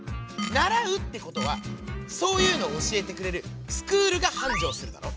ならうってことはそういうのおしえてくれるスクールがはんじょうするだろ。